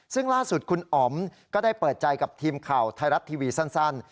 ซึ่งล่าสุดคุณอ๋อมก็ได้เปิดใจกับทีมข่าวไทยรัฐทีวีสั้น